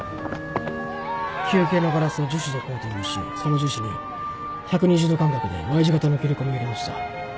球形のガラスを樹脂でコーティングしその樹脂に１２０度間隔でＹ字形の切れ込みを入れました。